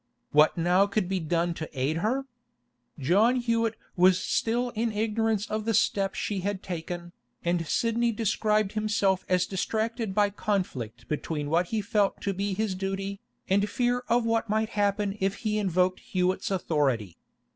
What now could be done to aid her? John Hewett was still in ignorance of the step she had taken, and Sidney described himself as distracted by conflict between what he felt to be his duty, and fear of what might happen if he invoked Hewett's authority.